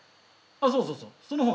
そうそうそうそう。